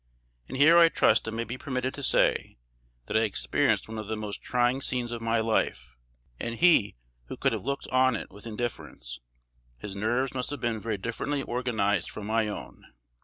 And here I trust I may be permitted to say, that I experienced one of the most trying scenes of my life; and he who could have looked on it with indifference, his nerves must have been very differently organized from my own.